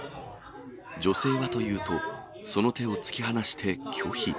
女性はというと、その手を突き放して拒否。